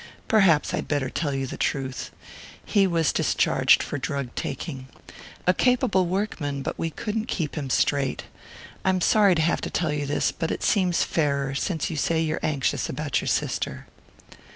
"Perhaps I'd better tell you the truth. He was discharged for drug taking. A capable workman, but we couldn't keep him straight. I'm sorry to have to tell you this, but it seems fairer, since you say you're anxious about your sister."